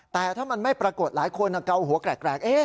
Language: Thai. แต่ถ้ามันไม่ปรากฏหลายคนเกาหัวแกรก